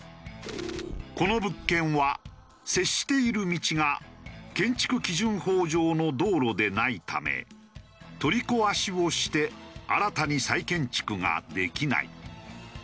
この物件は接している道が建築基準法上の道路でないため取り壊しをして新たに再建築ができない。